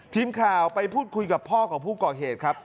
ทีมข่าวไปพูดคุยกับพ่อของผู้ก่อเหตุครับ